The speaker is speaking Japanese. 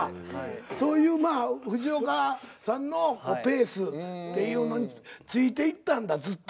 そういう藤岡さんのペースっていうのについていったんだずっと。